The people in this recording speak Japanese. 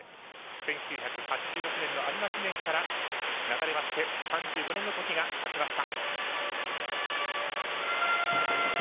１９８６年の有馬記念から流れまして３５年の時がたちました。